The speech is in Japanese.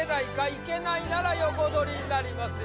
いけないなら横取りになりますよ